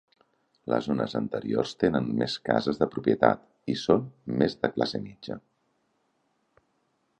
Les zones anteriors tenen més cases de propietat i són més de classe mitja.